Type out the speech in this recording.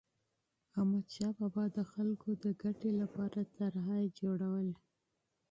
احمدشاه بابا به د خلکو د فلاح لپاره پلانونه جوړول.